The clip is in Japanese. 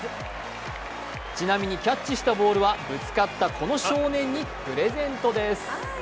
ちなみにキャッチしたボールはぶつかったこの少年にプレゼントです。